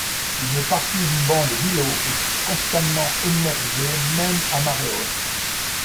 Une partie du banc de Bilho est constamment émergée, même à marée haute.